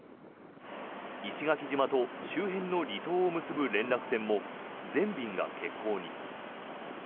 石垣島と周辺の離島を結ぶ連絡船も全便が欠航に。